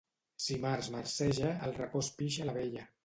Si març marceja, al racó es pixa la vella.